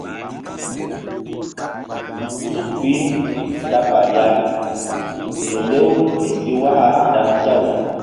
Suk bi ta fal ya kelew mi si waka dan nzaw.